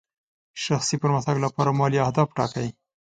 شخصي پرمختګ لپاره مالي اهداف ټاکئ.